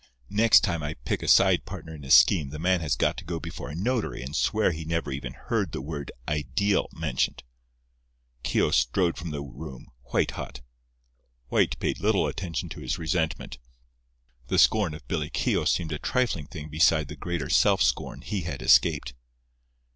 Next time I pick a side partner in a scheme the man has got to go before a notary and swear he never even heard the word 'ideal' mentioned." Keogh strode from the room, white hot. White paid little attention to his resentment. The scorn of Billy Keogh seemed a trifling thing beside the greater self scorn he had escaped.